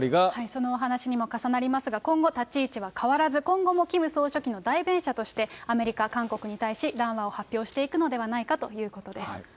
そのお話にも重なりますが、今後、立ち位置は変わらず、今後もキム総書記の代弁者として、アメリカ、韓国に対し談話を発表していくのではないかということです。